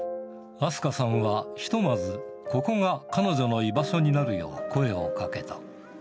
明日香さんは、ひとまず、ここが彼女の居場所になるよう声をかけた。